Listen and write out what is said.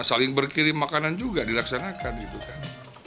saling berkirim makanan juga dilaksanakan gitu kan